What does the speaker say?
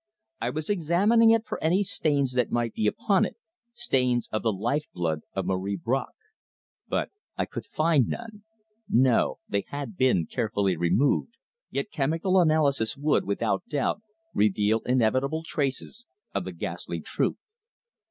I was examining it for any stains that might be upon it stains of the life blood of Marie Bracq. But I could find none. No. They had been carefully removed, yet chemical analysis would, without doubt, reveal inevitable traces of the ghastly truth.